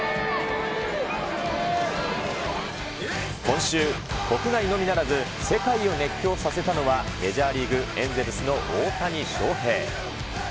今週、国内のみならず世界を熱狂させたのは、メジャーリーグ・エンゼルスの大谷翔平。